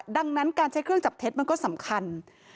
ดังนั้นการใช้เครื่องจับเท็จมันก็สำคัญ